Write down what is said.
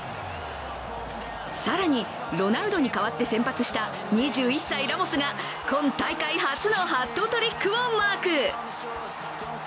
更にロナウドに代わって先発した２１歳、ラモスが今大会初のハットトリックをマーク。